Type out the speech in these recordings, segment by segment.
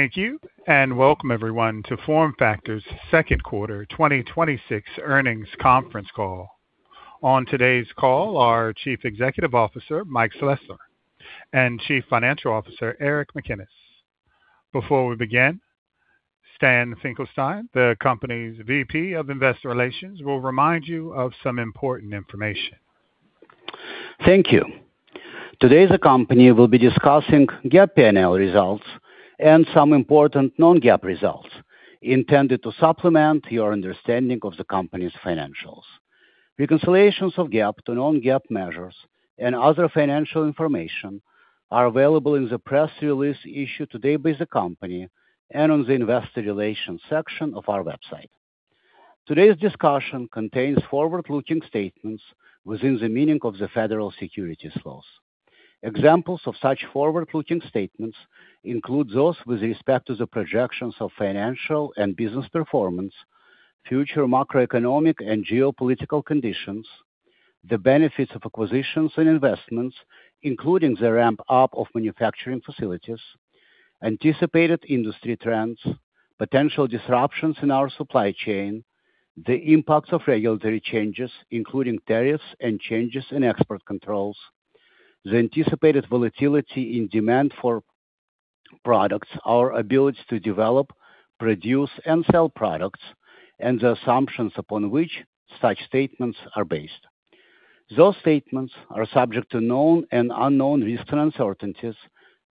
Thank you. Welcome everyone to FormFactor's second quarter 2026 earnings conference call. On today's call are Chief Executive Officer, Mike Slessor, and Chief Financial Officer, Aric McKinnis. Before we begin, Stan Finkelstein, the company's VP of Investor Relations, will remind you of some important information. Thank you. Today, the company will be discussing GAAP P&L results and some important non-GAAP results intended to supplement your understanding of the company's financials. Reconciliations of GAAP to non-GAAP measures and other financial information are available in the press release issued today by the company and on the investor relations section of our website. Today's discussion contains forward-looking statements within the meaning of the federal securities laws. Examples of such forward-looking statements include those with respect to the projections of financial and business performance, future macroeconomic and geopolitical conditions, the benefits of acquisitions and investments, including the ramp-up of manufacturing facilities, anticipated industry trends, potential disruptions in our supply chain, the impacts of regulatory changes, including tariffs and changes in export controls, the anticipated volatility in demand for products, our ability to develop, produce, and sell products, and the assumptions upon which such statements are based. Those statements are subject to known and unknown risks and uncertainties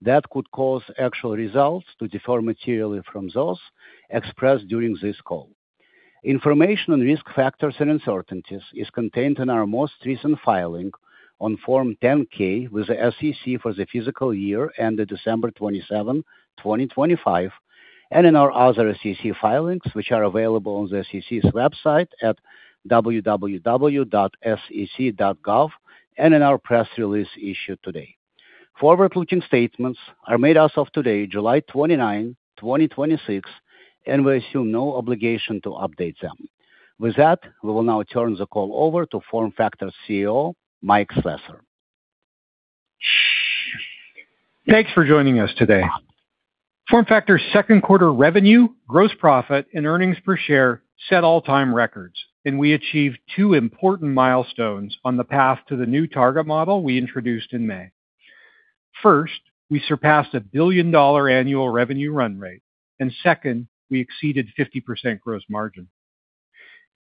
that could cause actual results to differ materially from those expressed during this call. Information on risk factors and uncertainties is contained in our most recent filing on Form 10-K with the SEC for the fiscal year ended December 27, 2025, and in our other SEC filings, which are available on the sec.gov website, and in our press release issued today. Forward-looking statements are made as of today, July 29, 2026. We assume no obligation to update them. With that, we will now turn the call over to FormFactor CEO, Mike Slessor. Thanks for joining us today. FormFactor's second quarter revenue, gross profit, and earnings per share set all-time records. We achieved two important milestones on the path to the new target model we introduced in May. First, we surpassed a $1 billion annual revenue run rate. Second, we exceeded 50% gross margin.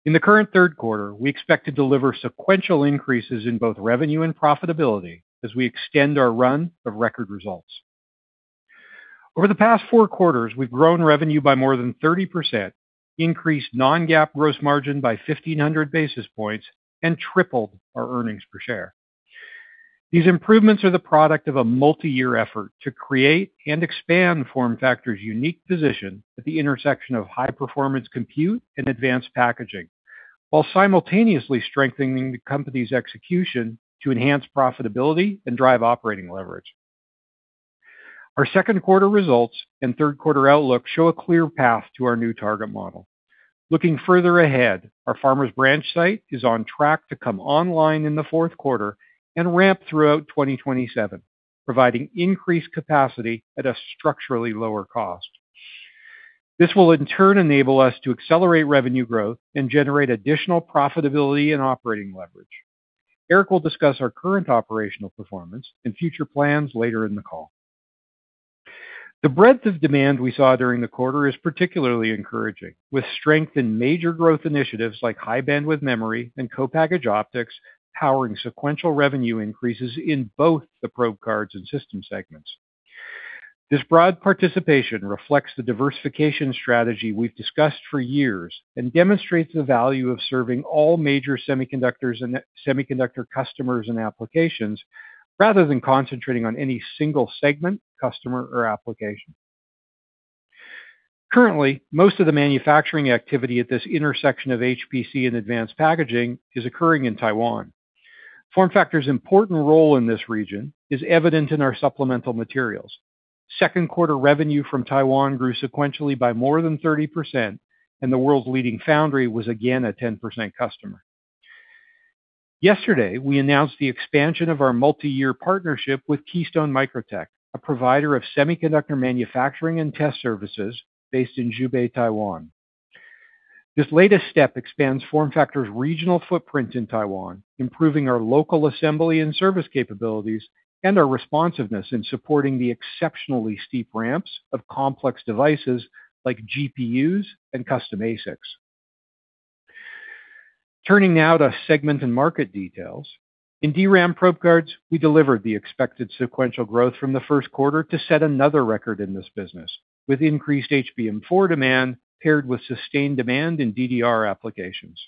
In the current third quarter, we expect to deliver sequential increases in both revenue and profitability as we extend our run of record results. Over the past four quarters, we've grown revenue by more than 30%, increased non-GAAP gross margin by 1,500 basis points, and tripled our earnings per share. These improvements are the product of a multi-year effort to create and expand FormFactor's unique position at the intersection of high-performance compute and advanced packaging, while simultaneously strengthening the company's execution to enhance profitability and drive operating leverage. Our second quarter results and third quarter outlook show a clear path to our new target model. Looking further ahead, our Farmers Branch site is on track to come online in the fourth quarter and ramp throughout 2027, providing increased capacity at a structurally lower cost. This will in turn enable us to accelerate revenue growth and generate additional profitability and operating leverage. Aric will discuss our current operational performance and future plans later in the call. The breadth of demand we saw during the quarter is particularly encouraging, with strength in major growth initiatives like High Bandwidth Memory and co-packaged optics powering sequential revenue increases in both the probe cards and system segments. This broad participation reflects the diversification strategy we've discussed for years and demonstrates the value of serving all major semiconductor customers and applications rather than concentrating on any single segment, customer, or application. Currently, most of the manufacturing activity at this intersection of HPC and advanced packaging is occurring in Taiwan. FormFactor's important role in this region is evident in our supplemental materials. Second quarter revenue from Taiwan grew sequentially by more than 30%, and the world's leading foundry was again a 10% customer. Yesterday, we announced the expansion of our multi-year partnership with Keystone Microtech, a provider of semiconductor manufacturing and test services based in Zhubei, Taiwan. This latest step expands FormFactor's regional footprint in Taiwan, improving our local assembly and service capabilities and our responsiveness in supporting the exceptionally steep ramps of complex devices like GPUs and custom ASICs. Turning now to segment and market details. In DRAM probe cards, we delivered the expected sequential growth from the first quarter to set another record in this business, with increased HBM4 demand paired with sustained demand in DDR applications.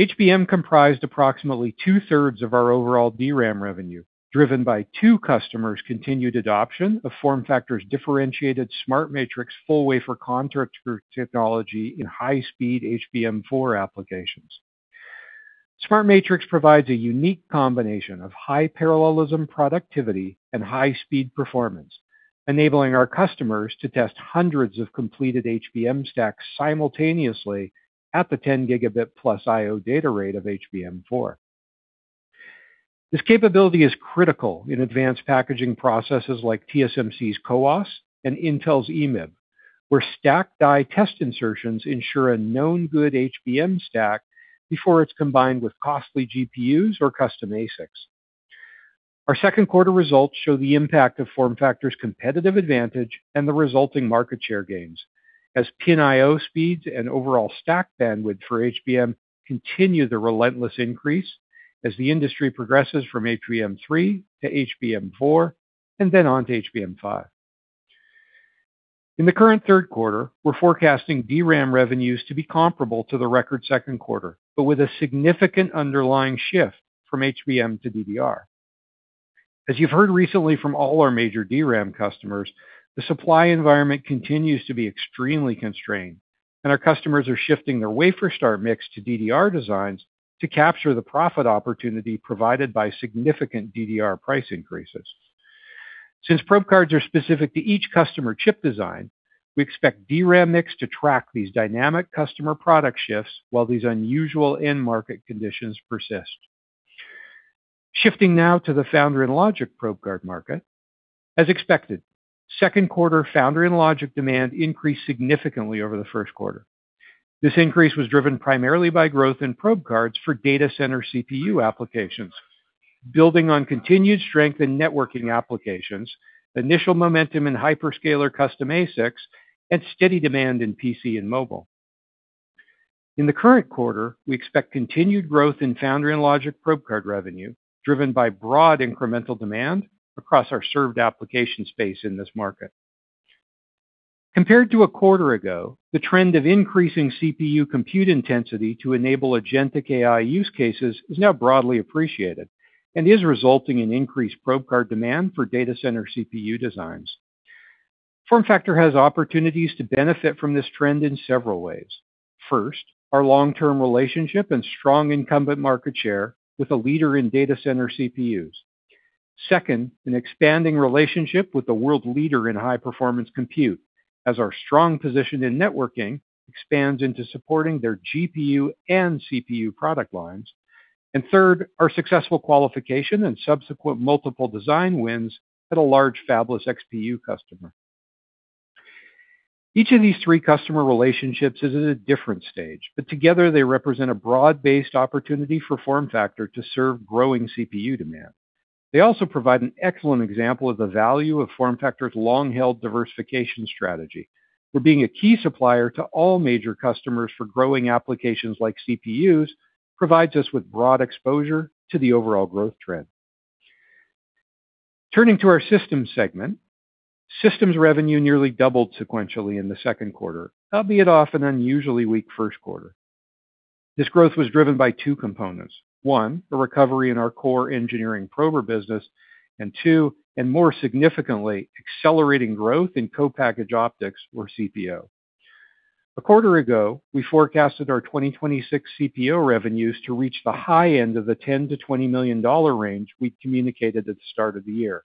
HBM comprised approximately two-thirds of our overall DRAM revenue, driven by two customers' continued adoption of FormFactor's differentiated SmartMatrix full-wafer contactor technology in high-speed HBM4 applications. SmartMatrix provides a unique combination of high parallelism productivity and high-speed performance, enabling our customers to test hundreds of completed HBM stacks simultaneously at the 10 gigabit-plus I/O data rate of HBM4. This capability is critical in advanced packaging processes like TSMC's CoWoS and Intel's EMIB, where stacked die test insertions ensure a known good HBM stack before it's combined with costly GPUs or custom ASICs. Our second quarter results show the impact of FormFactor's competitive advantage and the resulting market share gains, as pin I/O speeds and overall stack bandwidth for HBM continue the relentless increase as the industry progresses from HBM3 to HBM4, and then on to HBM5. In the current third quarter, we're forecasting DRAM revenues to be comparable to the record second quarter, but with a significant underlying shift from HBM to DDR. As you've heard recently from all our major DRAM customers, the supply environment continues to be extremely constrained, and our customers are shifting their wafer start mix to DDR designs to capture the profit opportunity provided by significant DDR price increases. Since probe cards are specific to each customer chip design, we expect DRAM mix to track these dynamic customer product shifts while these unusual end market conditions persist. Shifting now to the Foundry & Logic probe card market. As expected, second quarter Foundry & Logic demand increased significantly over the first quarter. This increase was driven primarily by growth in probe cards for data center CPU applications, building on continued strength in networking applications, initial momentum in hyperscaler custom ASICs, and steady demand in PC and mobile. In the current quarter, we expect continued growth in Foundry & Logic probe card revenue, driven by broad incremental demand across our served application space in this market. Compared to a quarter ago, the trend of increasing CPU compute intensity to enable agentic AI use cases is now broadly appreciated, and is resulting in increased probe card demand for data center CPU designs. FormFactor has opportunities to benefit from this trend in several ways. First, our long-term relationship and strong incumbent market share with a leader in data center CPUs. Second, an expanding relationship with the world leader in high-performance compute, as our strong position in networking expands into supporting their GPU and CPU product lines. And third, our successful qualification and subsequent multiple design wins at a large fabless XPU customer. Each of these three customer relationships is at a different stage, but together they represent a broad-based opportunity for FormFactor to serve growing CPU demand. They also provide an excellent example of the value of FormFactor's long-held diversification strategy, where being a key supplier to all major customers for growing applications like CPUs provides us with broad exposure to the overall growth trend. Turning to our systems segment, systems revenue nearly doubled sequentially in the second quarter, albeit off an unusually weak first quarter. This growth was driven by two components. One, a recovery in our core engineering prober business, and two, and more significantly, accelerating growth in co-packaged optics or CPO. A quarter ago, we forecasted our 2026 CPO revenues to reach the high end of the $10 million-$20 million range we'd communicated at the start of the year.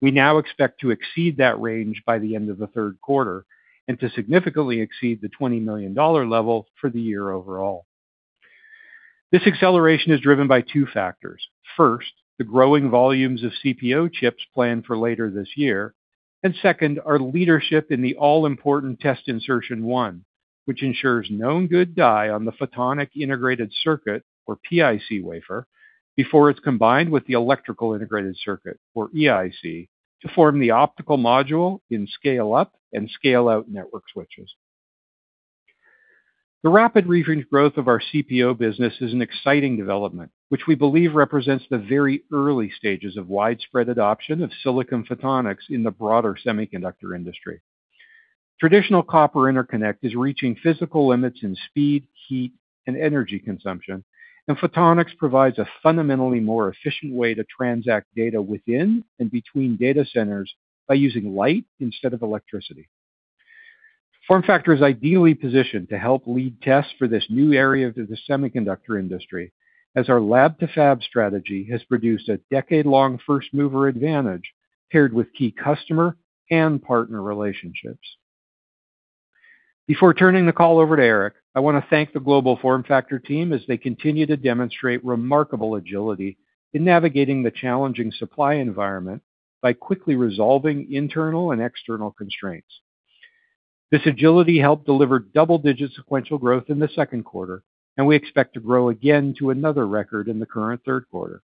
We now expect to exceed that range by the end of the third quarter, and to significantly exceed the $20 million level for the year overall. This acceleration is driven by two factors. First, the growing volumes of CPO chips planned for later this year, and second, our leadership in the all-important test insertion one, which ensures known good die on the photonic integrated circuit, or PIC wafer, before it's combined with the electrical integrated circuit, or EIC, to form the optical module in scale up and scale-out network switches. The rapid recent growth of our CPO business is an exciting development, which we believe represents the very early stages of widespread adoption of silicon photonics in the broader semiconductor industry. Traditional copper interconnect is reaching physical limits in speed, heat, and energy consumption, and photonics provides a fundamentally more efficient way to transact data within and between data centers by using light instead of electricity. FormFactor is ideally positioned to help lead tests for this new area of the semiconductor industry, as our lab-to-fab strategy has produced a decade-long first-mover advantage paired with key customer and partner relationships. Before turning the call over to Aric, I want to thank the global FormFactor team as they continue to demonstrate remarkable agility in navigating the challenging supply environment by quickly resolving internal and external constraints. This agility helped deliver double-digit sequential growth in the second quarter. We expect to grow again to another record in the current third quarter.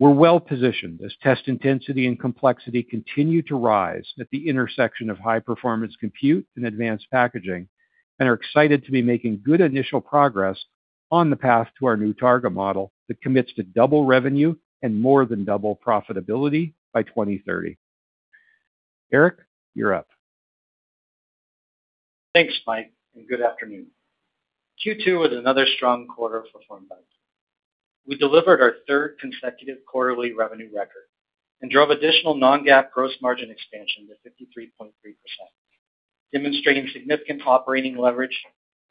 We're well-positioned as test intensity and complexity continue to rise at the intersection of high-performance compute and advanced packaging, and are excited to be making good initial progress on the path to our new target model that commits to double revenue and more than double profitability by 2030. Aric, you're up. Thanks, Mike, and good afternoon. Q2 was another strong quarter for FormFactor. We delivered our third consecutive quarterly revenue record and drove additional non-GAAP gross margin expansion to 53.3%, demonstrating significant operating leverage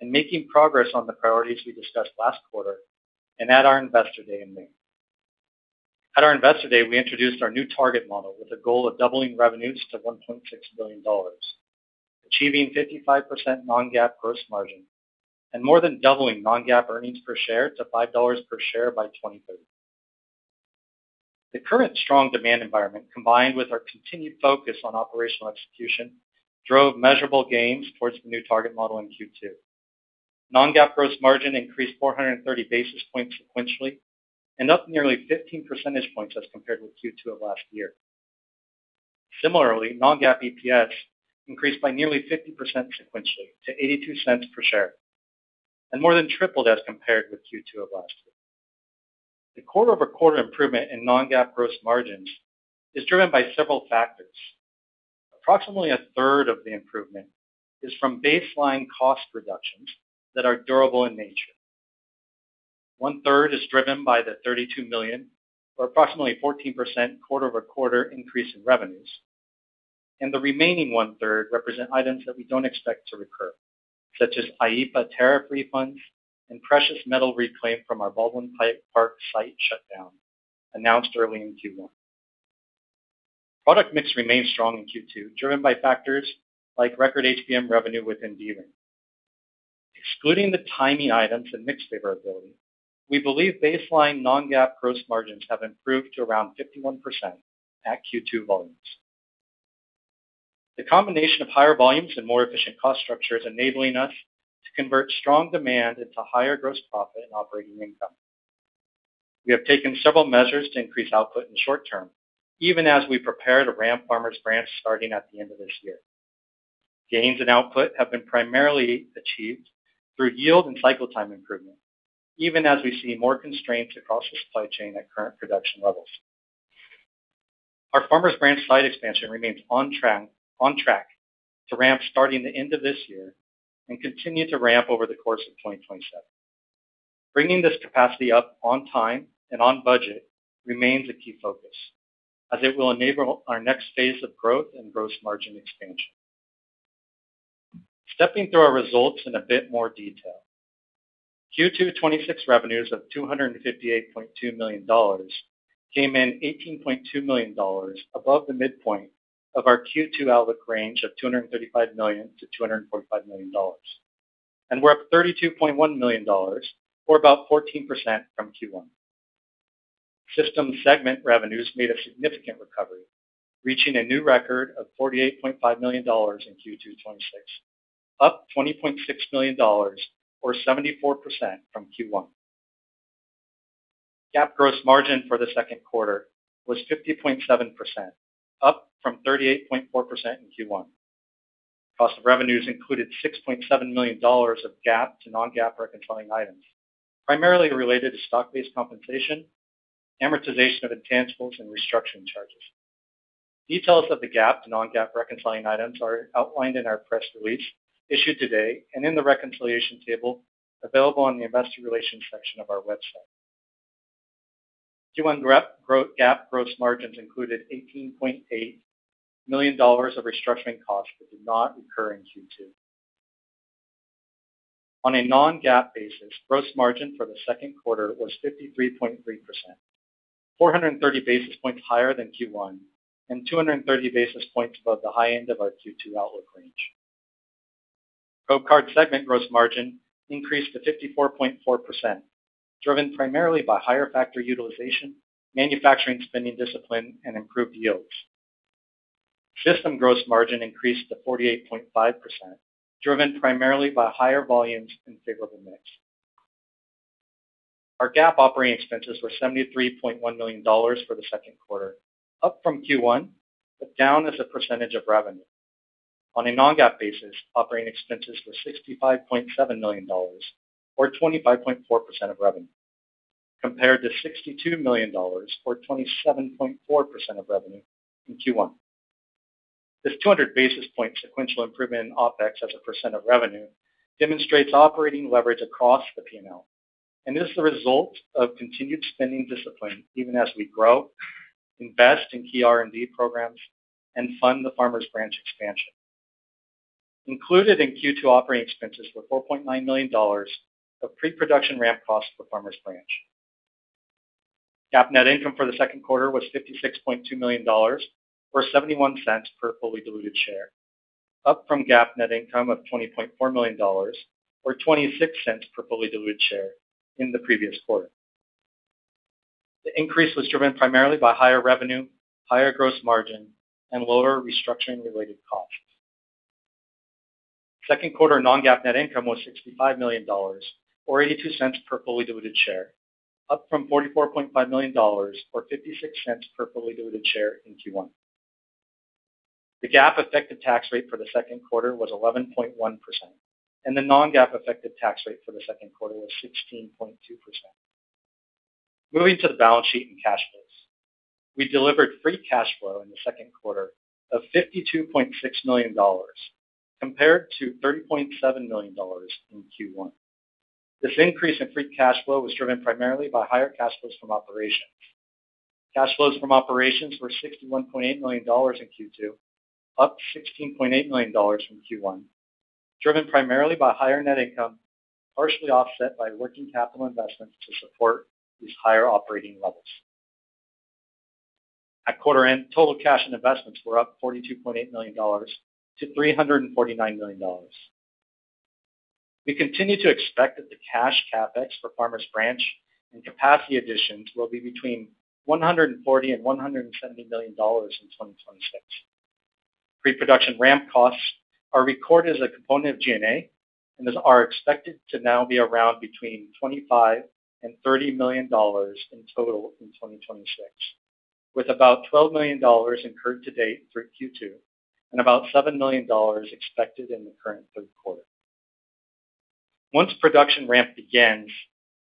and making progress on the priorities we discussed last quarter and at our investor day in May. At our investor day, we introduced our new target model with a goal of doubling revenues to $1.6 billion, achieving 55% non-GAAP gross margin and more than doubling non-GAAP earnings per share to $5 per share by 2030. The current strong demand environment, combined with our continued focus on operational execution, drove measurable gains towards the new target model in Q2. Non-GAAP gross margin increased 430 basis points sequentially and up nearly 15 percentage points as compared with Q2 of last year. Similarly, non-GAAP EPS increased by nearly 50% sequentially to $0.82 per share, and more than tripled as compared with Q2 of last year. The quarter-over-quarter improvement in non-GAAP gross margins is driven by several factors. Approximately a third of the improvement is from baseline cost reductions that are durable in nature. One third is driven by the $32 million or approximately 14% quarter-over-quarter increase in revenues. The remaining one third represent items that we don't expect to recur, such as IEEPA tariff refunds and precious metal reclaimed from our Baldwin Park site shutdown, announced early in Q1. Product mix remained strong in Q2, driven by factors like record HBM revenue within DRAM. Excluding the tiny items and mix favorability, we believe baseline non-GAAP gross margins have improved to around 51% at Q2 volumes. The combination of higher volumes and more efficient cost structure is enabling us to convert strong demand into higher gross profit and operating income. We have taken several measures to increase output in the short term, even as we prepare to ramp Farmers Branch starting at the end of this year. Gains in output have been primarily achieved through yield and cycle time improvement, even as we see more constraints across the supply chain at current production levels. Our Farmers Branch site expansion remains on track to ramp starting the end of this year and continue to ramp over the course of 2027. Bringing this capacity up on time and on budget remains a key focus, as it will enable our next phase of growth and gross margin expansion. Stepping through our results in a bit more detail. Q2 2026 revenues of $258.2 million came in $18.2 million above the midpoint of our Q2 outlook range of $235 million to $245 million. We're up $32.1 million, or about 14% from Q1. Systems segment revenues made a significant recovery, reaching a new record of $48.5 million in Q2 2026, up $20.6 million or 74% from Q1. GAAP gross margin for the second quarter was 50.7%, up from 38.4% in Q1. Cost of revenues included $6.7 million of GAAP to non-GAAP reconciling items, primarily related to stock-based compensation, amortization of intangibles, and restructuring charges. Details of the GAAP to non-GAAP reconciling items are outlined in our press release issued today, and in the reconciliation table available on the investor relations section of our website. Q1 GAAP gross margins included $18.8 million of restructuring costs that did not recur in Q2. On a non-GAAP basis, gross margin for the second quarter was 53.3%, 430 basis points higher than Q1 and 230 basis points above the high end of our Q2 outlook range. Probe Card segment gross margin increased to 54.4%, driven primarily by higher factory utilization, manufacturing spending discipline, and improved yields. System gross margin increased to 48.5%, driven primarily by higher volumes and favorable mix. Our GAAP operating expenses were $73.1 million for the second quarter, up from Q1, but down as a percentage of revenue. On a non-GAAP basis, operating expenses were $65.7 million or 25.4% of revenue, compared to $62 million or 27.4% of revenue in Q1.This 200 basis point sequential improvement in OpEx as a percent of revenue demonstrates operating leverage across the P&L and is the result of continued spending discipline even as we grow, invest in key R&D programs, and fund the Farmers Branch expansion. Included in Q2 operating expenses were $4.9 million of pre-production ramp costs for Farmers Branch. GAAP net income for the second quarter was $56.2 million, or $0.71 per fully diluted share, up from GAAP net income of $20.4 million or $0.26 per fully diluted share in the previous quarter. The increase was driven primarily by higher revenue, higher gross margin, and lower restructuring-related costs. Second quarter non-GAAP net income was $65 million, or $0.82 per fully diluted share, up from $44.5 million or $0.56 per fully diluted share in Q1. The GAAP effective tax rate for the second quarter was 11.1%, and the non-GAAP effective tax rate for the second quarter was 16.2%. Moving to the balance sheet and cash flows. We delivered free cash flow in the second quarter of $52.6 million, compared to $30.7 million in Q1. This increase in free cash flow was driven primarily by higher cash flows from operations. Cash flows from operations were $61.8 million in Q2, up $16.8 million from Q1, driven primarily by higher net income, partially offset by working capital investments to support these higher operating levels. At quarter end, total cash and investments were up $42.8 million to $349 million. We continue to expect that the cash CapEx for Farmers Branch and capacity additions will be between $140 million and $170 million in 2026. Pre-production ramp costs are recorded as a component of G&A, and are expected to now be around between $25 million and $30 million in total in 2026, with about $12 million incurred to date through Q2, and about $7 million expected in the current third quarter. Once production ramp begins,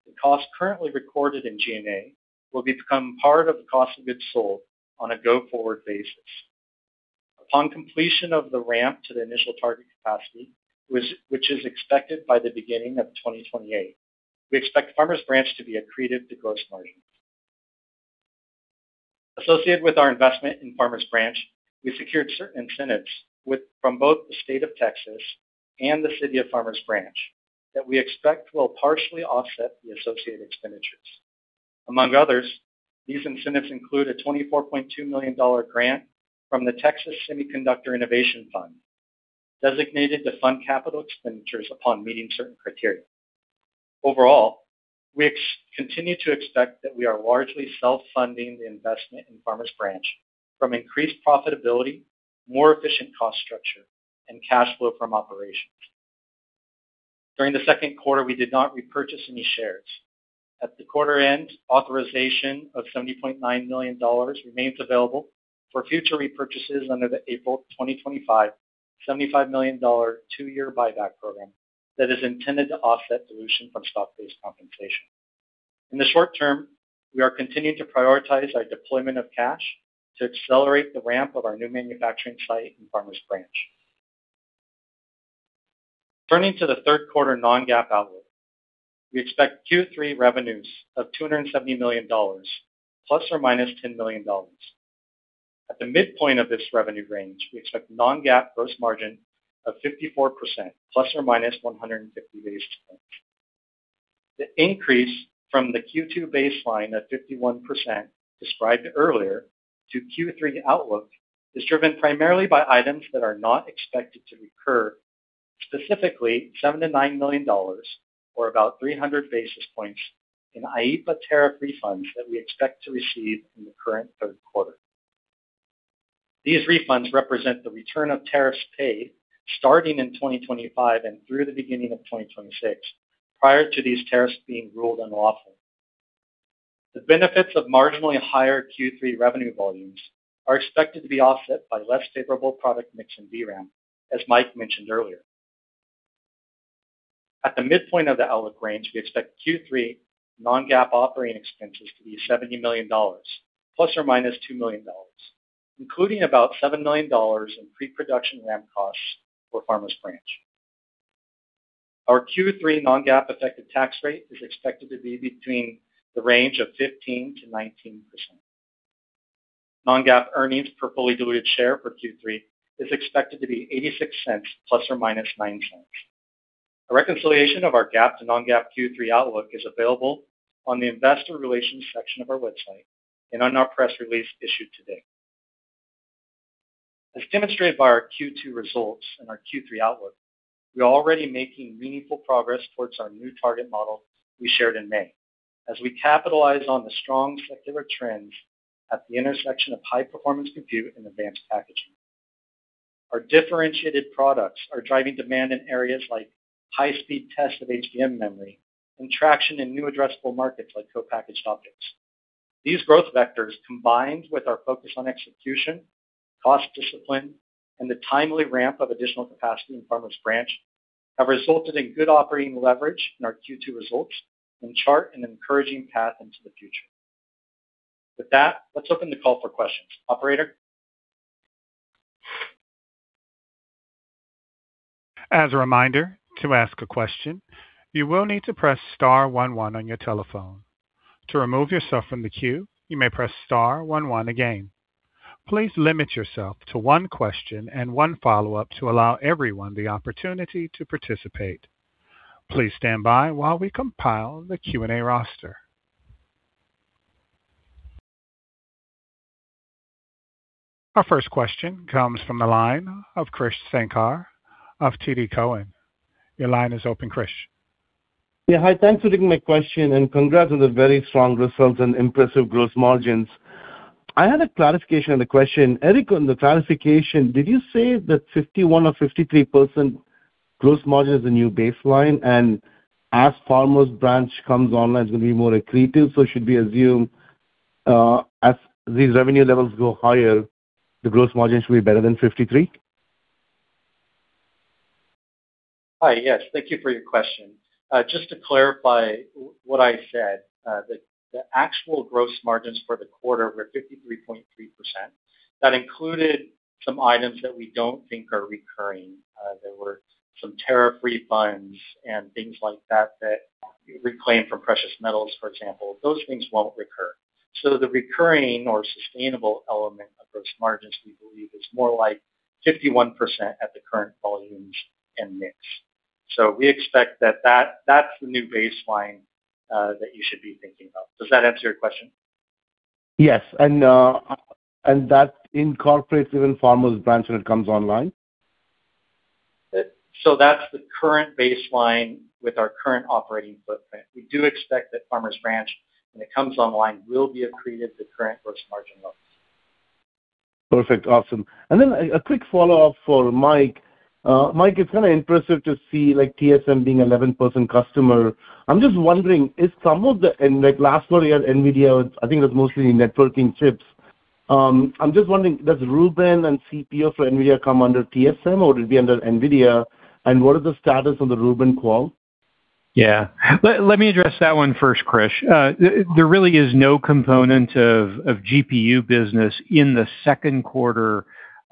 the cost currently recorded in G&A will become part of the cost of goods sold on a go-forward basis. Upon completion of the ramp to the initial target capacity, which is expected by the beginning of 2028, we expect Farmers Branch to be accretive to gross margin. Associated with our investment in Farmers Branch, we secured certain incentives from both the state of Texas and the City of Farmers Branch that we expect will partially offset the associated expenditures. Among others, these incentives include a $24.2 million grant from the Texas Semiconductor Innovation Fund, designated to fund capital expenditures upon meeting certain criteria. Overall, we continue to expect that we are largely self-funding the investment in Farmers Branch from increased profitability, more efficient cost structure, and cash flow from operations. During the second quarter, we did not repurchase any shares. At the quarter end, authorization of $70.9 million remains available for future repurchases under the April 2025, $75 million two-year buyback program that is intended to offset dilution from stock-based compensation. In the short term, we are continuing to prioritize our deployment of cash to accelerate the ramp of our new manufacturing site in Farmers Branch. Turning to the third quarter non-GAAP outlook. We expect Q3 revenues of $270 million ± $10 million. At the midpoint of this revenue range, we expect non-GAAP gross margin of 54% ± 150 basis points. The increase from the Q2 baseline of 51% described earlier to Q3 outlook is driven primarily by items that are not expected to recur, specifically $79 million, or about 300 basis points in IEEPA tariff refunds that we expect to receive in the current third quarter. These refunds represent the return of tariffs paid starting in 2025 and through the beginning of 2026, prior to these tariffs being ruled unlawful. The benefits of marginally higher Q3 revenue volumes are expected to be offset by less favorable product mix and DRAM, as Mike mentioned earlier. At the midpoint of the outlook range, we expect Q3 non-GAAP operating expenses to be $70 million ± $2 million, including about $7 million in pre-production ramp costs for Farmers Branch. Our Q3 non-GAAP effective tax rate is expected to be between the range of 15%-19%. Non-GAAP earnings per fully diluted share for Q3 is expected to be $0.86 ± $0.09. A reconciliation of our GAAP to non-GAAP Q3 outlook is available on the investor relations section of our website and on our press release issued today. As demonstrated by our Q2 results and our Q3 outlook, we are already making meaningful progress towards our new target model we shared in May, as we capitalize on the strong secular trends at the intersection of high-performance compute and advanced packaging. Our differentiated products are driving demand in areas like high-speed test of HBM memory and traction in new addressable markets like co-packaged optics. These growth vectors, combined with our focus on execution, cost discipline, and the timely ramp of additional capacity in Farmers Branch, have resulted in good operating leverage in our Q2 results and chart an encouraging path into the future. With that, let's open the call for questions. Operator? As a reminder, to ask a question, you will need to press star one one on your telephone. To remove yourself from the queue, you may press star one one again. Please limit yourself to one question and one follow-up to allow everyone the opportunity to participate. Please stand by while we compile the Q&A roster. Our first question comes from the line of Krish Sankar of TD Cowen. Your line is open, Krish. Yeah. Hi, thanks for taking my question. Congrats on the very strong results and impressive gross margins. I had a clarification on the question. Aric, on the clarification, did you say that 51% or 53% gross margin is the new baseline, and as Farmers Branch comes online, it's going to be more accretive? Should we assume, as these revenue levels go higher, the gross margin should be better than 53%? Hi. Yes. Thank you for your question. Just to clarify what I said, the actual gross margins for the quarter were 53.3%. That included some items that we don't think are recurring. There were some tariff refunds and things like that, reclaim from precious metals, for example. Those things won't recur. The recurring or sustainable element of gross margins, we believe, is more like 51% at the current volumes and mix. We expect that that's the new baseline that you should be thinking of. Does that answer your question? Yes. That incorporates even Farmers Branch when it comes online? That's the current baseline with our current operating footprint. We do expect that Farmers Branch, when it comes online, will be accretive to current gross margin levels. Perfect. Awesome. Then a quick follow-up for Mike. Mike, it's kind of impressive to see TSMC being 11% customer. I'm just wondering, in last quarter, you had NVIDIA, I think it was mostly networking chips. I'm just wondering, does Rubin and CPO for NVIDIA come under TSMC or it'll be under NVIDIA, and what is the status on the Rubin qual? Let me address that one first, Krish. There really is no component of GPU business in the second quarter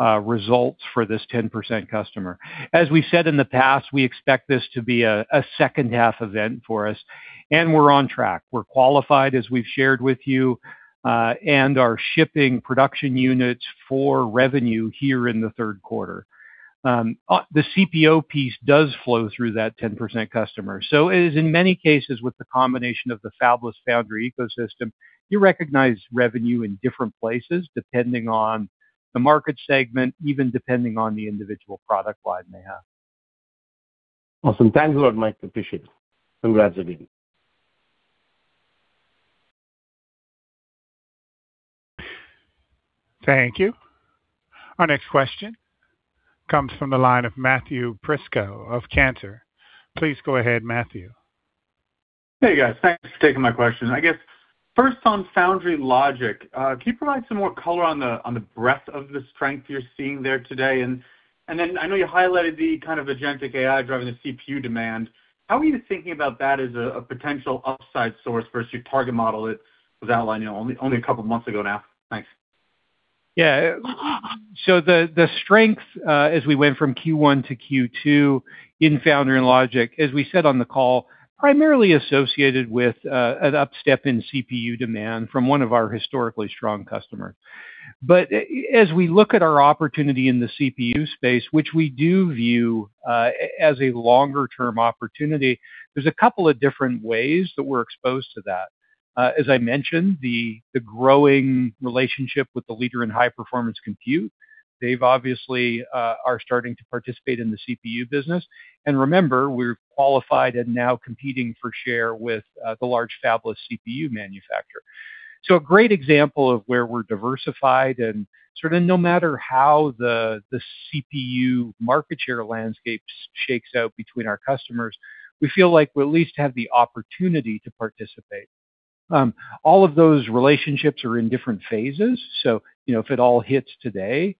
results for this 10% customer. As we said in the past, we expect this to be a second half event for us, and we're on track. We're qualified, as we've shared with you, and are shipping production units for revenue here in the third quarter. The CPO piece does flow through that 10% customer. It is in many cases, with the combination of the fabless foundry ecosystem, you recognize revenue in different places depending on the market segment, even depending on the individual product line they have. Awesome. Thanks a lot, Mike. Appreciate it. Congrats again. Thank you. Our next question comes from the line of Matthew Prisco of Cantor. Please go ahead, Matthew. Hey, guys. Thanks for taking my question. I guess, first on Foundry & Logic, can you provide some more color on the breadth of the strength you're seeing there today? Then I know you highlighted the kind of agentic AI driving the CPU demand. How are you thinking about that as a potential upside source versus your target model that was outlined only a couple of months ago now? Thanks. Yeah. The strength, as we went from Q1 to Q2 in Foundry & Logic, as we said on the call, primarily associated with an up-step in CPU demand from one of our historically strong customers. As we look at our opportunity in the CPU space, which we do view as a longer-term opportunity, there's a couple of different ways that we're exposed to that. As I mentioned, the growing relationship with the leader in high-performance compute, they obviously are starting to participate in the CPU business. Remember, we're qualified and now competing for share with the large fabless CPU manufacturer. A great example of where we're diversified and sort of no matter how the CPU market share landscape shakes out between our customers, we feel like we at least have the opportunity to participate. All of those relationships are in different phases. If it all hits today,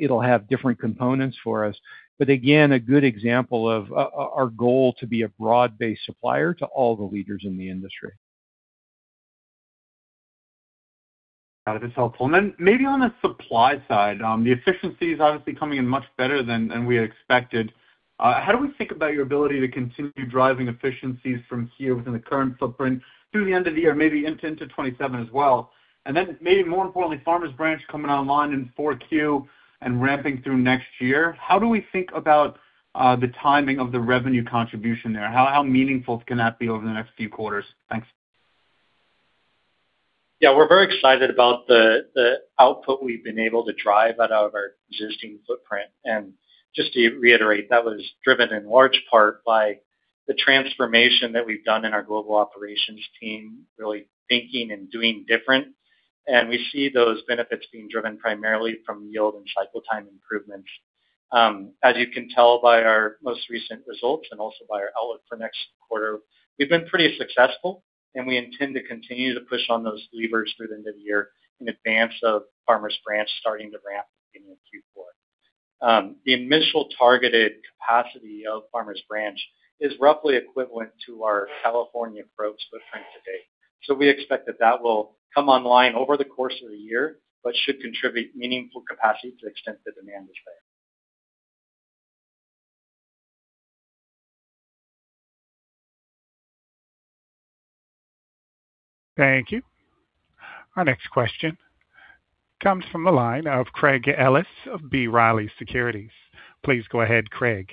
it'll have different components for us. Again, a good example of our goal to be a broad-based supplier to all the leaders in the industry. Got it. That's helpful. Maybe on the supply side, the efficiency is obviously coming in much better than we had expected. How do we think about your ability to continue driving efficiencies from here within the current footprint through the end of the year, maybe into 2027 as well? Maybe more importantly, Farmers Branch coming online in Q4 and ramping through next year. How do we think about the timing of the revenue contribution there? How meaningful can that be over the next few quarters? Thanks. Yeah, we're very excited about the output we've been able to drive out of our existing footprint. Just to reiterate, that was driven in large part by the transformation that we've done in our global operations team, really thinking and doing different. We see those benefits being driven primarily from yield and cycle time improvements. As you can tell by our most recent results and also by our outlook for next quarter, we've been pretty successful, and we intend to continue to push on those levers through the end of the year in advance of Farmers Branch starting to ramp beginning in Q4. The initial targeted capacity of Farmers Branch is roughly equivalent to our California probes footprint to date. We expect that that will come online over the course of the year, but should contribute meaningful capacity to the extent the demand is there. Thank you. Our next question comes from the line of Craig Ellis of B. Riley Securities. Please go ahead, Craig.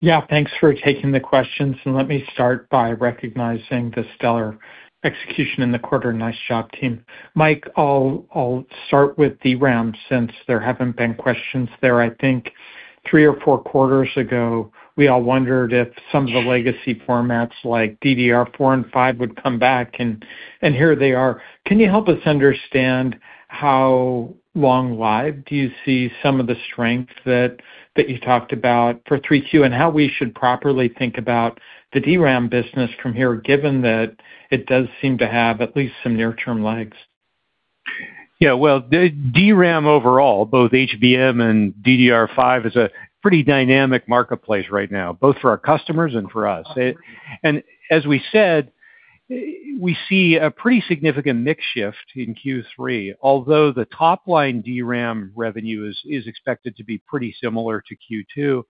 Yeah. Thanks for taking the questions, and let me start by recognizing the stellar execution in the quarter. Nice job, team. Mike, I'll start with DRAM since there haven't been questions there. I think three or four quarters ago, we all wondered if some of the legacy formats like DDR4 and five would come back, and here they are. Can you help us understand how long live do you see some of the strength that you talked about for 3Q, and how we should properly think about the DRAM business from here, given that it does seem to have at least some near-term legs? Well, DRAM overall, both HBM and DDR5, is a pretty dynamic marketplace right now, both for our customers and for us. As we said, we see a pretty significant mix shift in Q3. Although the top-line DRAM revenue is expected to be pretty similar to Q2.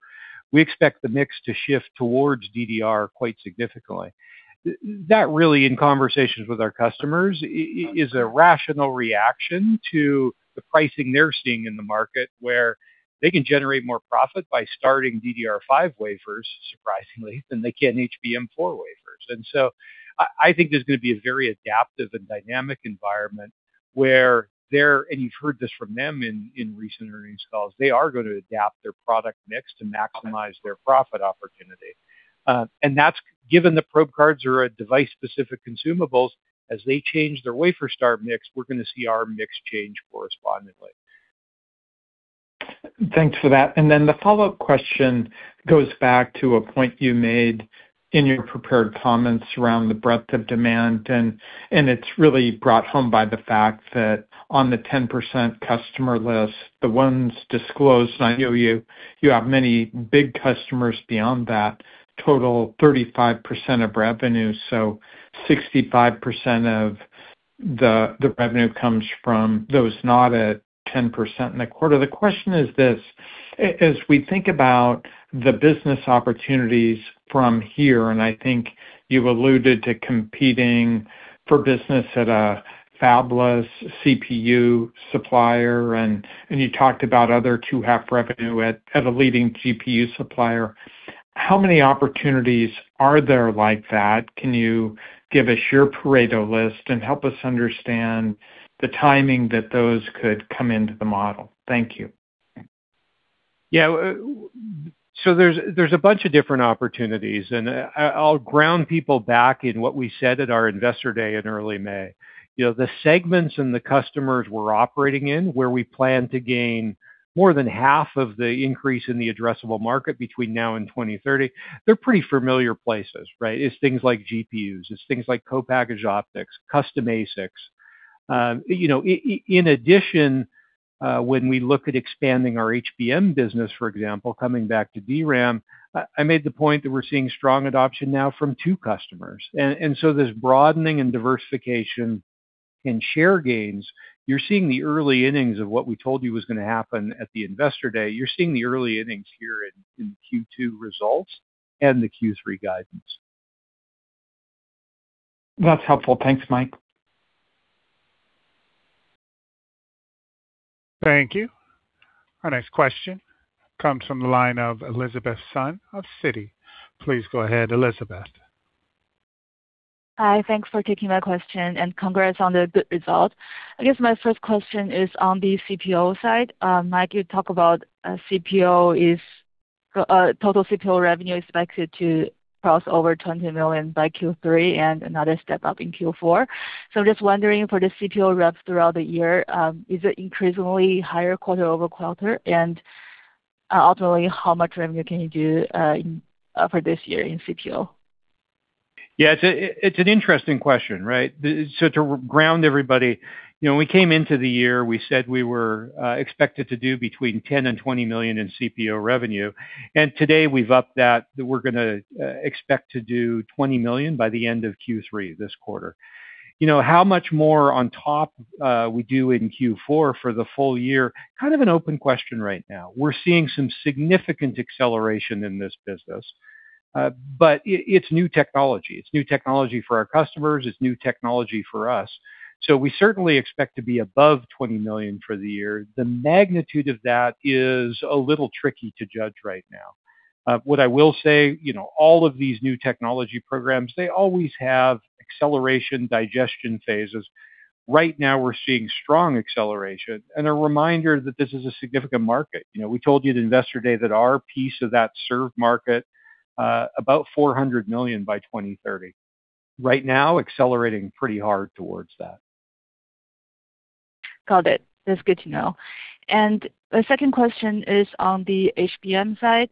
We expect the mix to shift towards DDR quite significantly. That really, in conversations with our customers, is a rational reaction to the pricing they're seeing in the market, where they are, and you've heard this from them in recent earnings calls, going to adapt their product mix to maximize their profit opportunity. That's given the probe cards are a device-specific consumables, as they change their wafer start mix, we're going to see our mix change correspondingly. The follow-up question goes back to a point you made in your prepared comments around the breadth of demand, and it's really brought home by the fact that on the 10% customer list, the ones disclosed, and I know you have many big customers beyond that, total 35% of revenue. So 65% of the revenue comes from those not at 10% in the quarter. The question is this, as we think about the business opportunities from here, I think you alluded to competing for business at a fabless CPU supplier, and you talked about other 2H revenue at a leading GPU supplier. How many opportunities are there like that? Can you give us your Pareto list and help us understand the timing that those could come into the model? Thank you. There's a bunch of different opportunities, and I'll ground people back in what we said at our Investor Day in early May. The segments and the customers we're operating in, where we plan to gain more than half of the increase in the addressable market between now and 2030, they're pretty familiar places, right? It's things like GPUs, it's things like co-packaged optics, custom ASICs. In addition, when we look at expanding our HBM business, for example, coming back to DRAM, I made the point that we're seeing strong adoption now from two customers. There's broadening and diversification in share gains. You're seeing the early innings of what we told you was going to happen at the Investor Day. You're seeing the early innings here in Q2 results and the Q3 guidance. That's helpful. Thanks, Mike. Thank you. Our next question comes from the line of Elizabeth Sun of Citi. Please go ahead, Elizabeth. Hi, thanks for taking my question, congrats on the good result. I guess my first question is on the CPO side. Mike, you talk about total CPO revenue expected to cross over $20 million by Q3 and another step up in Q4. I'm just wondering for the CPO rev throughout the year, is it increasingly higher quarter-over-quarter? Ultimately, how much revenue can you do for this year in CPO? Yeah, it's an interesting question, right? To ground everybody, when we came into the year, we said we were expected to do between $10 million and $20 million in CPO revenue. Today we've upped that we're going to expect to do $20 million by the end of Q3 this quarter. How much more on top we do in Q4 for the full year, kind of an open question right now. We're seeing some significant acceleration in this business. It's new technology. It's new technology for our customers. It's new technology for us. We certainly expect to be above $20 million for the year. The magnitude of that is a little tricky to judge right now. What I will say, all of these new technology programs, they always have acceleration, digestion phases. Right now, we're seeing strong acceleration and a reminder that this is a significant market. We told you at Investor Day that our piece of that serve market, about $400 million by 2030. Right now, accelerating pretty hard towards that. Got it. That's good to know. The second question is on the HBM side,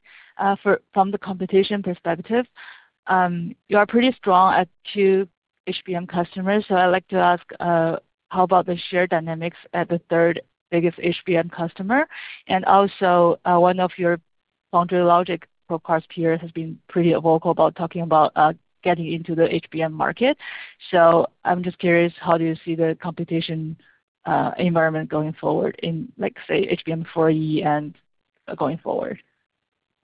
from the competition perspective. You are pretty strong at two HBM customers, so I'd like to ask, how about the share dynamics at the third biggest HBM customer? Also, one of your foundry logic probe card peers has been pretty vocal about talking about getting into the HBM market. I'm just curious, how do you see the competition environment going forward in, say, HBM4E and going forward?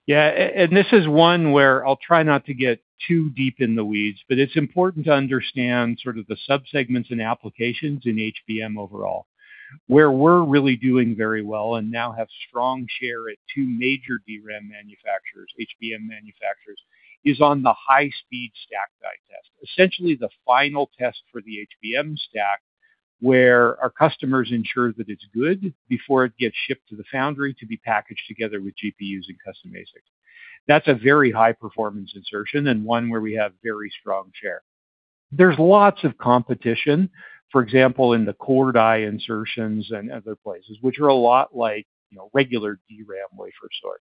Yeah, this is one where I'll try not to get too deep in the weeds, but it's important to understand sort of the subsegments and applications in HBM overall. Where we're really doing very well and now have strong share at two major DRAM manufacturers, HBM manufacturers, is on the high-speed stack die test, essentially the final test for the HBM stack, where our customers ensure that it's good before it gets shipped to the foundry to be packaged together with GPUs and custom ASICs. That's a very high-performance insertion and one where we have very strong share. There's lots of competition, for example, in the core die insertions and other places, which are a lot like regular DRAM wafer sort.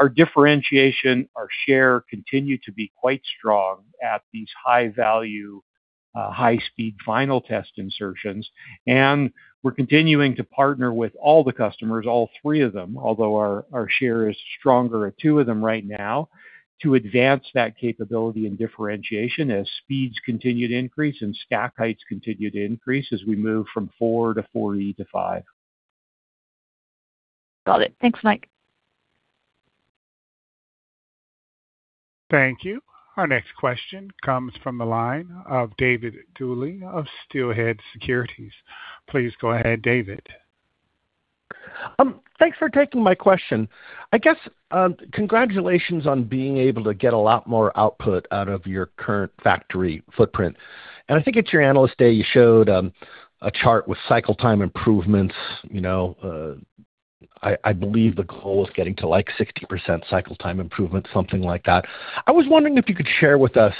Our differentiation, our share continue to be quite strong at these high-value, high-speed final test insertions, and we're continuing to partner with all the customers, all three of them, although our share is stronger at two of them right now, to advance that capability and differentiation as speeds continue to increase and stack heights continue to increase as we move from four to 4E to five. Got it. Thanks, Mike. Thank you. Our next question comes from the line of David Duley of Steelhead Securities. Please go ahead, David. Thanks for taking my question. I guess, congratulations on being able to get a lot more output out of your current factory footprint. I think at your Analyst Day, you showed a chart with cycle time improvements. I believe the goal is getting to 60% cycle time improvements, something like that. I was wondering if you could share with us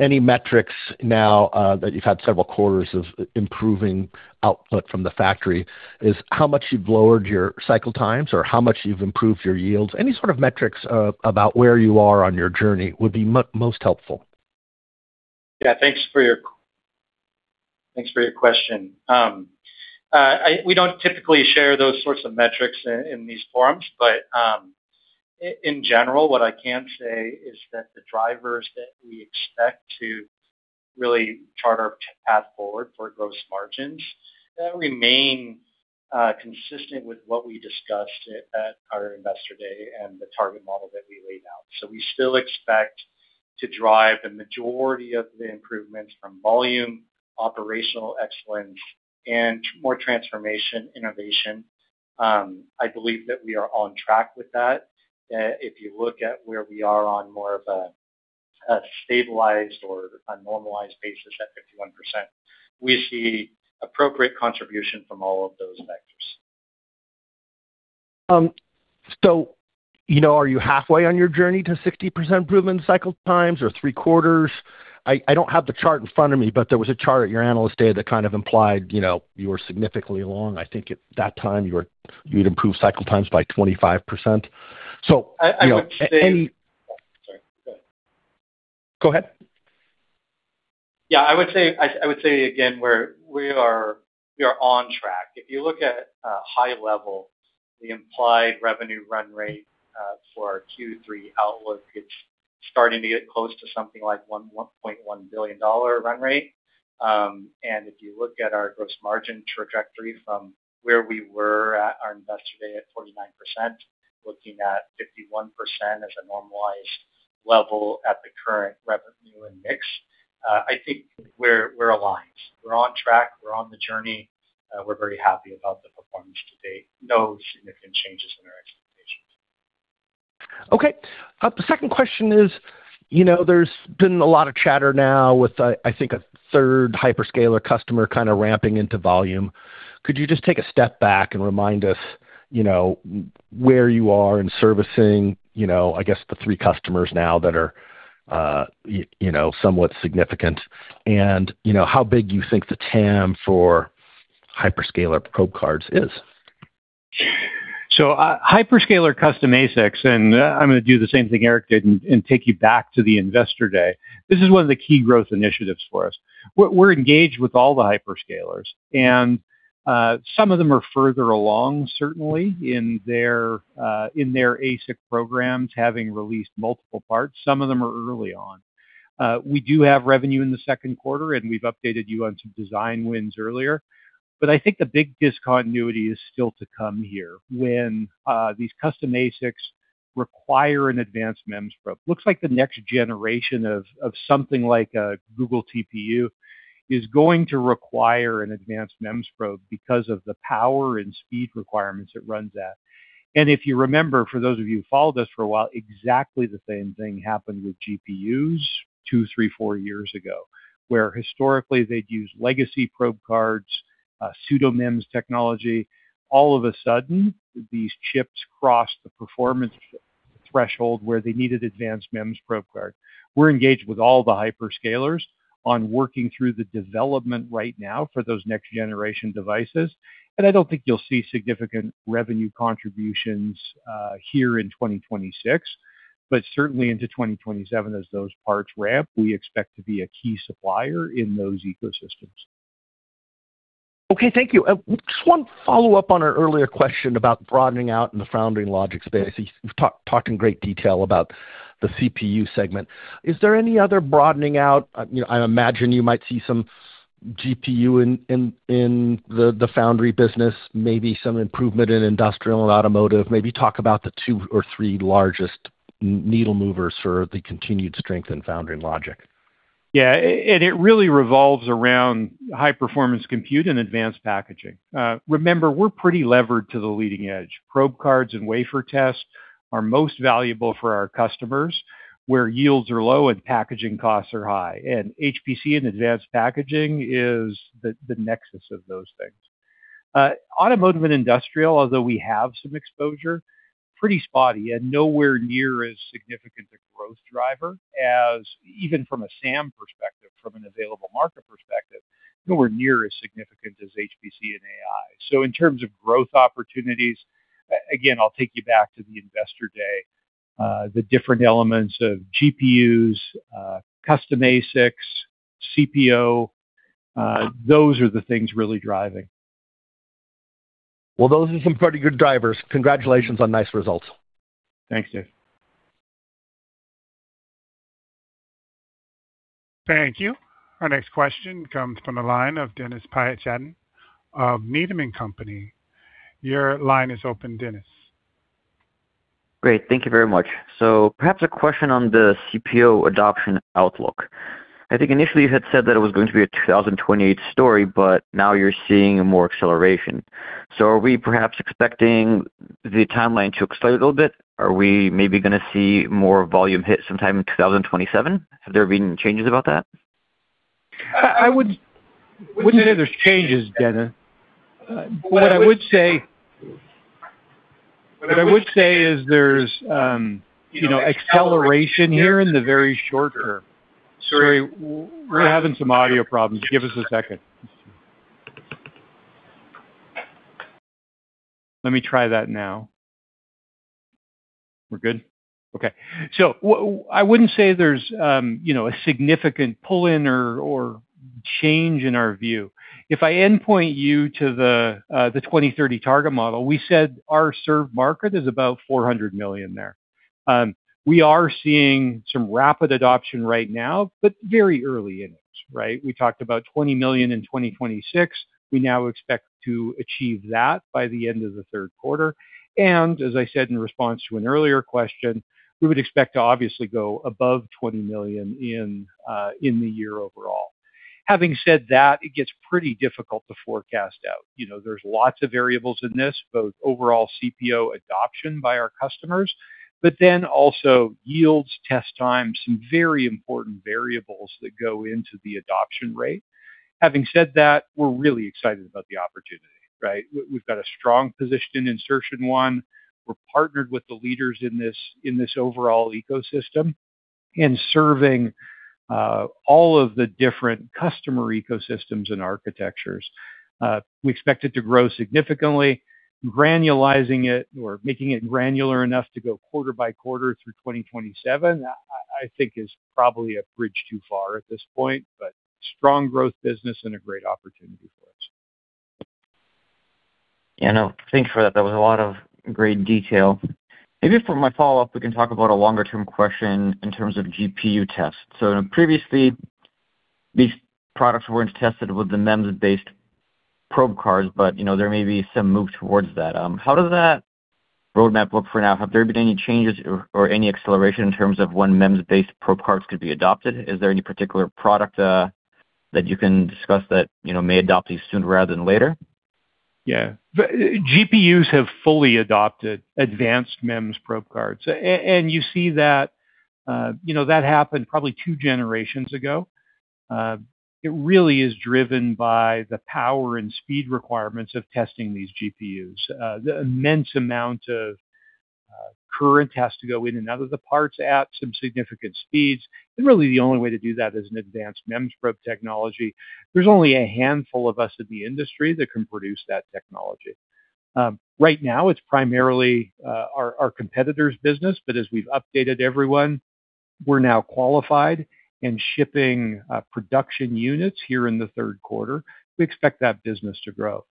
any metrics now that you've had several quarters of improving output from the factory, is how much you've lowered your cycle times or how much you've improved your yields. Any sort of metrics about where you are on your journey would be most helpful. Yeah, thanks for your question. We don't typically share those sorts of metrics in these forums, in general, what I can say is that the drivers that we expect to really chart our path forward for gross margins remain consistent with what we discussed at our Investor Day and the target model that we laid out. We still expect to drive the majority of the improvements from volume, operational excellence, and more transformation innovation. I believe that we are on track with that. If you look at where we are on more of a stabilized or a normalized basis at 51%, we see appropriate contribution from all of those vectors. Are you halfway on your journey to 60% improvement cycle times or three-quarters? I don't have the chart in front of me, but there was a chart at your Analyst Day that kind of implied you were significantly along. I think at that time, you'd improved cycle times by 25%. I would say. Sorry, go ahead. Go ahead. Yeah, I would say, again, we are on track. If you look at a high level, the implied revenue run rate for our Q3 outlook, it's starting to get close to something like $1.1 billion run rate. If you look at our gross margin trajectory from where we were at our Investor Day at 49%, looking at 51% as a normalized level at the current revenue and mix, I think we're aligned. We're on track. We're on the journey. We're very happy about the performance to date. No significant changes in our expectations. Okay. The second question is, there's been a lot of chatter now with, I think, a third hyperscaler customer kind of ramping into volume. Could you just take a step back and remind us where you are in servicing, I guess the three customers now that are somewhat significant, and how big you think the TAM for hyperscaler probe cards is? Hyperscaler custom ASICs, I'm going to do the same thing Aric did and take you back to the Investor Day. This is one of the key growth initiatives for us. We're engaged with all the hyperscalers, and some of them are further along, certainly, in their ASIC programs, having released multiple parts. Some of them are early on. We do have revenue in the second quarter, and we've updated you on some design wins earlier. I think the big discontinuity is still to come here when these custom ASICs require an advanced MEMS probe. Looks like the next generation of something like a Google TPU is going to require an advanced MEMS probe because of the power and speed requirements it runs at. If you remember, for those of you who followed us for a while, exactly the same thing happened with GPUs two, three, four years ago, where historically they'd use legacy probe cards, pseudo-MEMS technology. All of a sudden, these chips crossed the performance threshold where they needed advanced MEMS probe card. We're engaged with all the hyperscalers on working through the development right now for those next generation devices. I don't think you'll see significant revenue contributions here in 2026, but certainly into 2027 as those parts ramp, we expect to be a key supplier in those ecosystems. Okay, thank you. Just one follow-up on our earlier question about broadening out in the foundry logic space. You've talked in great detail about the CPU segment. Is there any other broadening out? I imagine you might see some GPU in the foundry business, maybe some improvement in industrial and automotive. Maybe talk about the two or three largest needle movers for the continued strength in foundry logic. Yeah. It really revolves around high-performance compute and advanced packaging. Remember, we're pretty levered to the leading edge. Probe cards and wafer tests are most valuable for our customers, where yields are low and packaging costs are high. HPC and advanced packaging is the nexus of those things. Automotive and industrial, although we have some exposure, pretty spotty and nowhere near as significant a growth driver as even from a SAM perspective, from an available market perspective, nowhere near as significant as HPC and AI. In terms of growth opportunities, again, I'll take you back to the Investor Day, the different elements of GPUs, custom ASICs, CPO, those are the things really driving. Well, those are some pretty good drivers. Congratulations on nice results. Thanks, David. Thank you. Our next question comes from the line of Dennis Patchen of Needham & Company. Your line is open, Dennis. Great. Thank you very much. Perhaps a question on the CPO adoption outlook. I think initially you had said that it was going to be a 2028 story, now you're seeing more acceleration. Are we perhaps expecting the timeline to accelerate a little bit? Are we maybe going to see more volume hit sometime in 2027? Have there been changes about that? I wouldn't say there's changes, Dennis. What I would say is there's acceleration here in the very short term. Sorry, we're having some audio problems. Give us a second. Let me try that now. We're good? Okay. I wouldn't say there's a significant pull-in or change in our view. If I endpoint you to the 2030 target model, we said our served market is about $400 million there. We are seeing some rapid adoption right now, very early innings, right? We talked about $20 million in 2026. We now expect to achieve that by the end of the third quarter. As I said in response to an earlier question, we would expect to obviously go above $20 million in the year overall. Having said that, it gets pretty difficult to forecast out. There's lots of variables in this, both overall CPO adoption by our customers, also yields test time, some very important variables that go into the adoption rate. Having said that, we're really excited about the opportunity, right? We've got a strong position in insertion one. We're partnered with the leaders in this overall ecosystem and serving all of the different customer ecosystems and architectures. We expect it to grow significantly. Granulizing it or making it granular enough to go quarter by quarter through 2027, I think is probably a bridge too far at this point, strong growth business and a great opportunity for us. Yeah, no. Thanks for that. That was a lot of great detail. Maybe for my follow-up, we can talk about a longer-term question in terms of GPU tests. Previously, these products weren't tested with the MEMS-based probe cards, there may be some move towards that. How does that roadmap look for now? Have there been any changes or any acceleration in terms of when MEMS-based probe cards could be adopted? Is there any particular product that you can discuss that may adopt these sooner rather than later? Yeah. GPUs have fully adopted advanced MEMS probe cards. You see that happened probably two generations ago. It really is driven by the power and speed requirements of testing these GPUs. The immense amount of current has to go in and out of the parts at some significant speeds. Really the only way to do that is an advanced MEMS probe technology. There's only a handful of us in the industry that can produce that technology. Right now, it's primarily our competitor's business. As we've updated everyone, we're now qualified and shipping production units here in the third quarter. We expect that business to grow.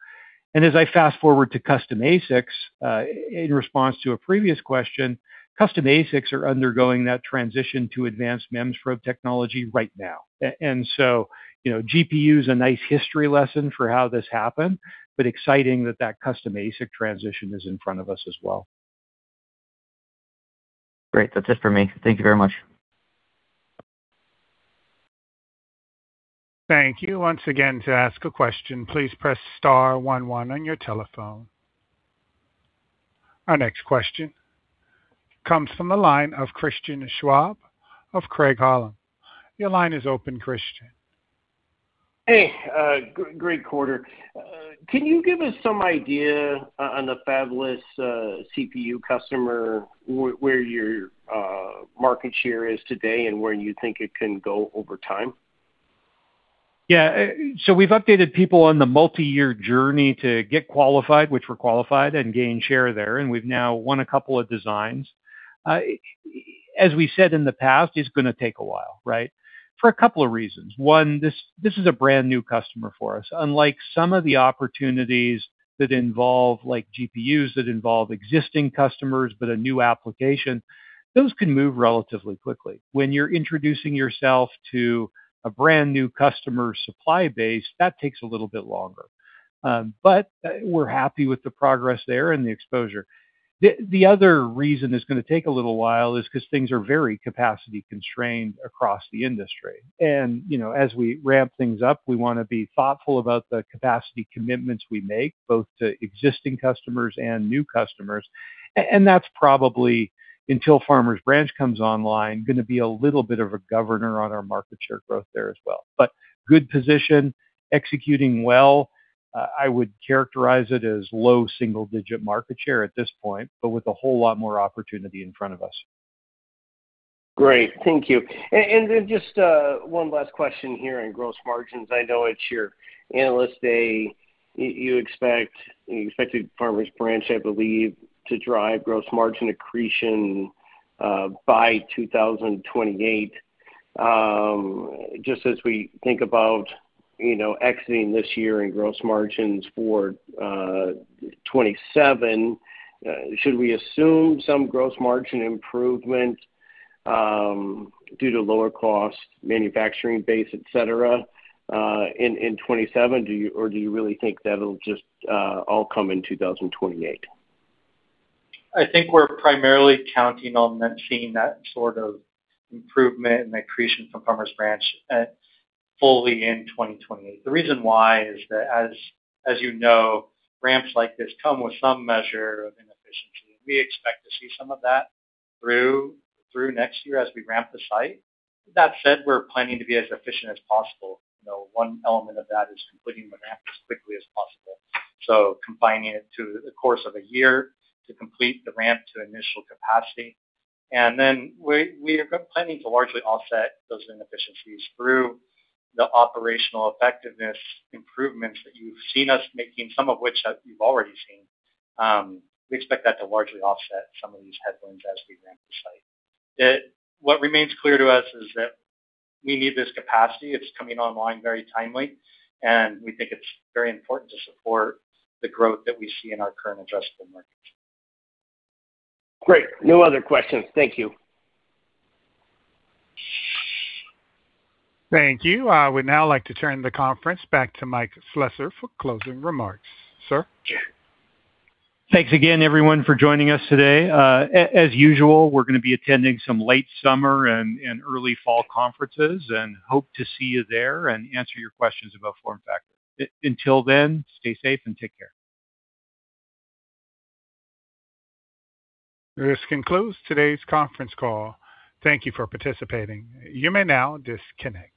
As I fast-forward to custom ASICs, in response to a previous question, custom ASICs are undergoing that transition to advanced MEMS probe technology right now. GPU is a nice history lesson for how this happened. Exciting that that custom ASIC transition is in front of us as well. Great. That's it for me. Thank you very much. Thank you. Once again, to ask a question, please press star one one on your telephone. Our next question comes from the line of Christian Schwab of Craig-Hallum. Your line is open, Christian. Hey. Great quarter. Can you give us some idea on the fabless CPU customer, where your market share is today and where you think it can go over time? Yeah. We've updated people on the multi-year journey to get qualified, which we're qualified, and gain share there, and we've now won a couple of designs. As we said in the past, it's going to take a while, right? For a couple of reasons. One, this is a brand-new customer for us. Unlike some of the opportunities that involve, like GPUs, that involve existing customers but a new application, those can move relatively quickly. When you're introducing yourself to a brand-new customer supply base, that takes a little bit longer. We're happy with the progress there and the exposure. The other reason it's going to take a little while is because things are very capacity-constrained across the industry. As we ramp things up, we want to be thoughtful about the capacity commitments we make, both to existing customers and new customers. That's probably, until Farmers Branch comes online, going to be a little bit of a governor on our market share growth there as well. Good position, executing well. I would characterize it as low single-digit market share at this point, but with a whole lot more opportunity in front of us. Great. Thank you. Just one last question here on gross margins. I know it's your Analyst Day. You expected Farmers Branch, I believe, to drive gross margin accretion by 2028. Just as we think about exiting this year in gross margins for 2027, should we assume some gross margin improvement due to lower cost manufacturing base, et cetera, in 2027? Do you really think that'll just all come in 2028? I think we're primarily counting on seeing that sort of improvement and accretion from Farmers Branch fully in 2028. The reason why is that, as you know, ramps like this come with some measure of inefficiency, and we expect to see some of that through next year as we ramp the site. That said, we're planning to be as efficient as possible. One element of that is completing the ramp as quickly as possible. Confining it to the course of a year to complete the ramp to initial capacity. We are planning to largely offset those inefficiencies through the operational effectiveness improvements that you've seen us making, some of which you've already seen. We expect that to largely offset some of these headwinds as we ramp the site. What remains clear to us is that we need this capacity. It's coming online very timely, and we think it's very important to support the growth that we see in our current addressable markets. Great. No other questions. Thank you. Thank you. I would now like to turn the conference back to Mike Slessor for closing remarks. Sir? Thanks again, everyone, for joining us today. As usual, we're going to be attending some late summer and early fall conferences, and hope to see you there and answer your questions about FormFactor. Until then, stay safe and take care. This concludes today's conference call. Thank you for participating. You may now disconnect.